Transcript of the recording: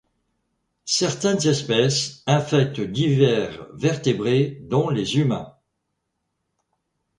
Certaines espèces infectent divers vertébrés dont les humains.